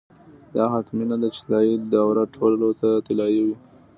دا حتمي نه ده چې طلايي دوره ټولو ته طلايي وي.